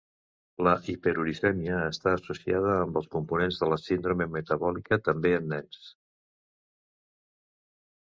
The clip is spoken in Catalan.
La hiperuricèmia està associada amb components de la síndrome metabòlica, també en nens.